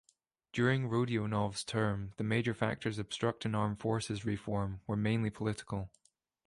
During Rodionov's term the major factors obstructing Armed Forces reform were mainly political.